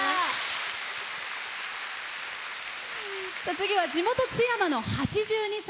次は地元、津山の８２歳。